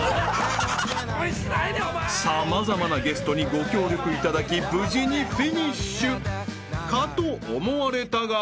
［様々なゲストにご協力いただき無事にフィニッシュかと思われたが］